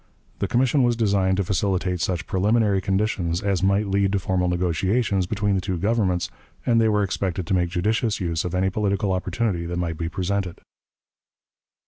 The commission was designed to facilitate such preliminary conditions as might lead to formal negotiations between the two Governments, and they were expected to make judicious use of any political opportunity that might be presented.